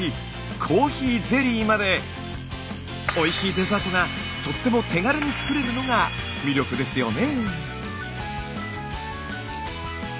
コーヒーゼリーまでおいしいデザートがとっても手軽に作れるのが魅力ですよね。